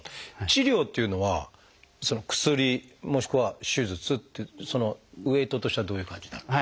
治療っていうのは薬もしくは手術ってウエイトとしてはどういう感じになる？